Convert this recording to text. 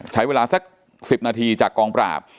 ใช้เวลาสัก๑๐นาทีจากกองปราบ